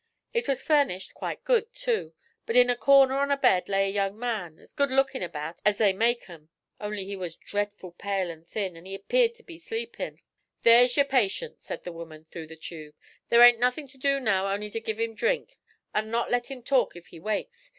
It was furnished quite good, too; but in a corner on the bed laid a young man, as good lookin' about as they make 'em; only he was dretful pale an' thin, an' he 'peared to be sleepin'. '"There's yer patient," says the woman, through the tube. "There ain't nothin' to do now only ter give him drink, an' not let him talk if he wakes.